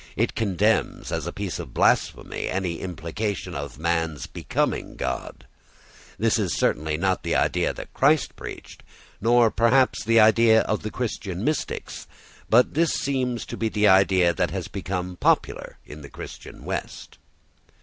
It condemns, as a piece of blasphemy, any implication of man's becoming God. This is certainly not the idea that Christ preached, nor perhaps the idea of the Christian mystics, but this seems to be the idea that has become popular in the Christian west.